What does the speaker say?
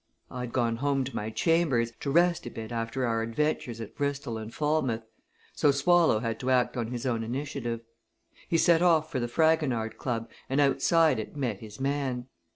I'd gone home to my chambers, to rest a bit after our adventures at Bristol and Falmouth, so Swallow had to act on his own initiative. He set off for the Fragonard Club, and outside it met his man.